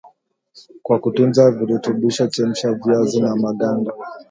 Kwa kutunza virutubisho chemsha viazi na maganda